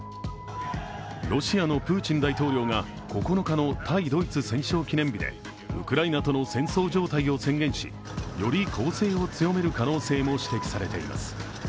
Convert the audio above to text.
ロシアのプーチン大統領が９日の対ドイツ戦勝記念日でウクライナとの戦争状態を宣言し、より攻勢を強める可能性も指摘されています。